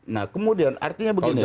nah kemudian artinya begini